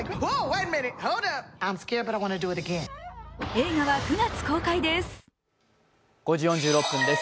映画は９月公開です。